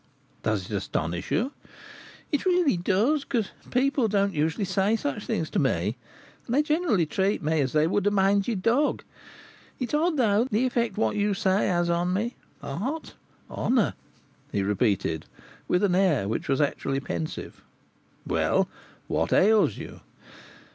"Does it astonish you?" "It really does; for people don't usually say such things to me; they generally treat me as they would a mangy dog. It's odd, though, the effect what you say has on me. Heart! honour!" he repeated, with an air which was actually pensive. "Well, what ails you?"